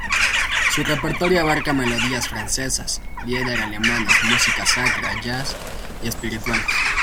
Su repertorio abarca melodías francesas, lieder alemanes, música sacra, jazz y espirituales.